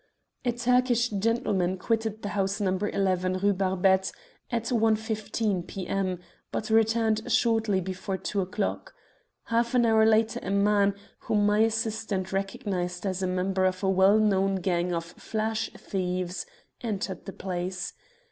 "A Turkish gentleman quitted the house No. 11, Rue Barbette, at 1.15 p.m., but returned shortly before two o'clock. Half an hour later a man, whom my assistant recognized as a member of a well known gang of flash thieves, entered the place.